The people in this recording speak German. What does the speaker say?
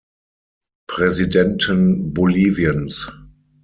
Präsidenten Boliviens.